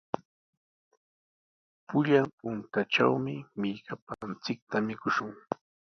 Pullan puntrawmi millkapanchikta mikushun.